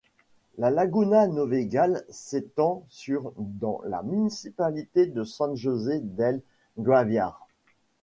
La laguna Novegal s'étend sur dans la municipalité de San José del Guaviare.